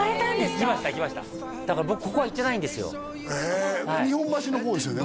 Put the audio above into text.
行きました行きましただから僕ここは行ってないんですよへえ日本橋の方ですよね？